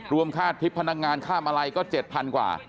รวมค่าทิพย์พนักงานข้ามมาลัยก็๗๐๐๐บาทกว่า